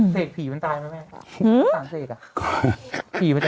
เสกผีมันตายไหมแม่